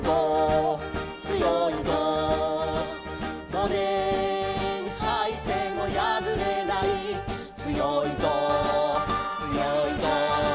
「ごねんはいてもやぶれない」「つよいぞつよいぞ」